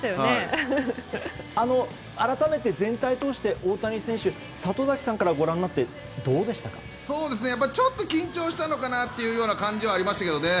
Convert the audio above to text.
改めて全体を通して里崎さんからちょっと緊張したのかなという感じはありましたけどね。